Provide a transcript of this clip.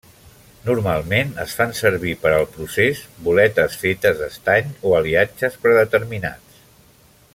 Normalment es fan servir per al procés boletes fetes d'estany o aliatges predeterminats.